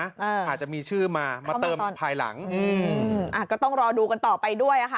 อาจจะมีชื่อมามาเติมภายหลังอืมอ่าก็ต้องรอดูกันต่อไปด้วยอ่ะค่ะ